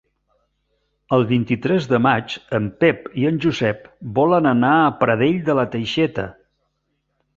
El vint-i-tres de maig en Pep i en Josep volen anar a Pradell de la Teixeta.